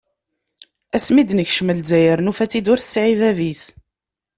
Ass mi d-nekcen Lezzayer, nufa-tt-id ur tesɛi bab-is.